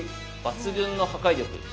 抜群の破壊力。